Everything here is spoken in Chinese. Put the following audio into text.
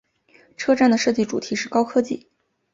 车站的设计主题是高科技。